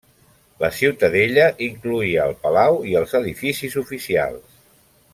La ciutadella incloïa el palau i els edificis oficials.